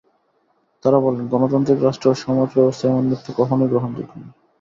তাঁরা বলেন, গণতান্ত্রিক রাষ্ট্র ও সমাজব্যবস্থায় এমন মৃত্যু কখনোই গ্রহণযোগ্য নয়।